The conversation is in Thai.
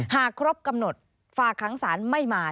หากครบกำหนดฝากขังสารไม่มา